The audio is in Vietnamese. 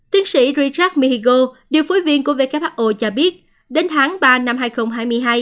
tiến sĩ richard mexico điều phối viên của who cho biết đến tháng ba năm hai nghìn hai mươi hai